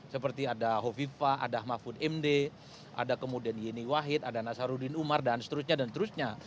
seperti ada hovifa ada mahfud md ada kemudian yeni wahid ada nasaruddin umar dan seterusnya dan seterusnya